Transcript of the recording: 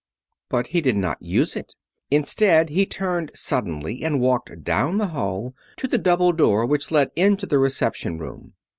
But he did not use it. Instead he turned suddenly and walked down the hall to the double door which led into the reception room.